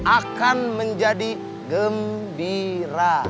akan menjadi gembira